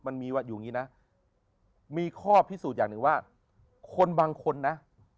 มันมีอยู่อย่างนี้นะมีข้อพิสูจน์อย่างหนึ่งว่าคนบางคนนะ